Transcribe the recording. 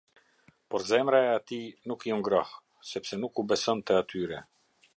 Por zemra e atij nuk iu ngroh, sepse nuk u besonte atyre.